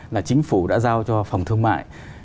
là chính phủ đã giao cho phòng thương mại